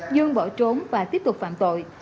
dương bỏ trốn và tiếp tục phạm tội